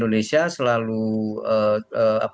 giastri ya beri jawabannya ya